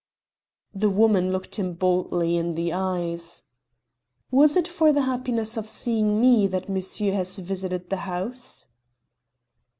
The woman looked him boldly in the eyes. "Was it for the happiness of seeing me that monsieur has visited the house?"